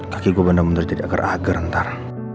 kaki gue bener bener jadi agar agar ntar